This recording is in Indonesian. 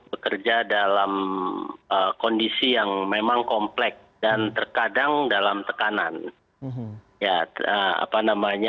bekerja dalam kondisi yang memang komplek dan terkadang dalam tekanan